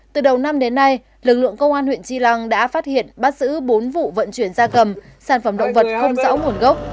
từ đầu năm đến nay lực lượng công an huyện tri lăng đã phát hiện bắt xử bốn vụ vận chuyển ra cầm sản phẩm động vật sáu nguồn gốc